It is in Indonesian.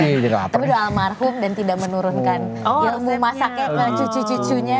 tapi almarhum dan tidak menurunkan ilmu masaknya ke cucu cucunya